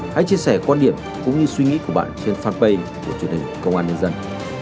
hãy chia sẻ quan điểm cũng như suy nghĩ của bạn trên fanpage của truyền hình công an nhân dân